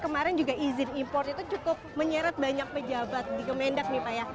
kemarin juga izin impor itu cukup menyeret banyak pejabat di kemendak nih pak ya